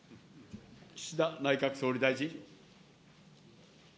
岸田内閣総理大臣。